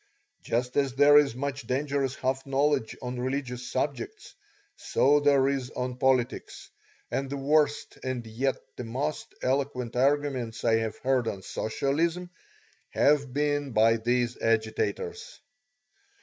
Just as there is much dangerous half knowledge on religious subjects, so there is on politics, and the worst and yet the most eloquent arguments I have heard on Socialism, have been by these agitators.